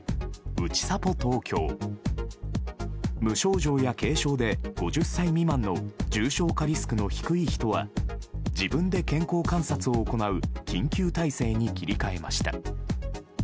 無症状や軽症で５０歳未満の重症化リスクの低い人は自分で健康観察を行う緊急体制に切り替えました。